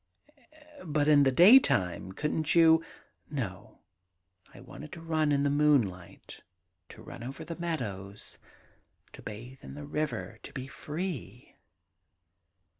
* But in the da3rtime — couldn't you ' 'No. I wanted to run in the moonlight; to run over the meadows ; to bathe in the river ; to be free.'